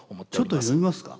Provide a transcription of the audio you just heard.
ちょっと読みますか。